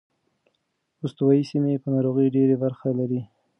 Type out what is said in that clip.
استوايي سیمې د ناروغۍ ډېره برخه لري.